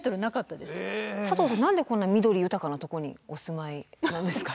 佐藤さん何でこんな緑豊かなとこにお住まいなんですか？